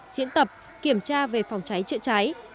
diễn tập kiểm tra về phòng cháy chạy cháy